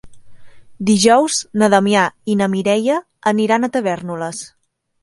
Dijous na Damià i na Mireia aniran a Tavèrnoles.